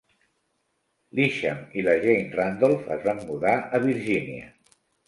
L"Isham i la Jane Randolph es van mudar a Virgínia.